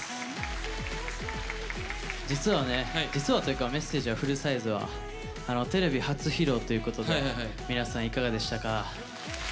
実はね実はというか「Ｍｅｓｓａｇｅ」はフルサイズはテレビ初披露ということで皆さんいかがでしたか？